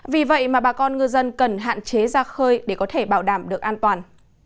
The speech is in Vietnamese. vì vậy mà bà con ngư dân cần hạn chế ra khơi để có thể bảo đảm được an toàn